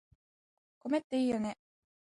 米っていいよね